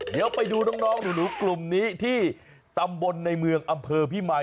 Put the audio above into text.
เดี๋ยวไปดูน้องหนูกลุ่มนี้ที่ตำบลในเมืองอำเภอพิมาย